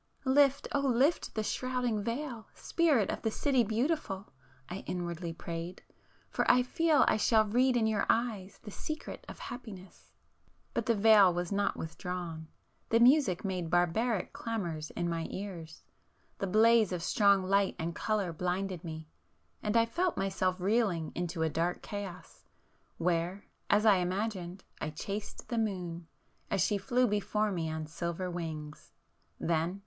"Lift, oh lift the shrouding veil, Spirit of the City Beautiful!" I inwardly prayed—"For I feel I shall read in your eyes the secret of happiness!" But the veil was not withdrawn, ... the music made barbaric clamour in my ears, ... the blaze of strong light and colour blinded me, ... and I felt myself reeling into a dark chaos, where as I imagined, I chased the moon, as she flew before me on silver wings,—then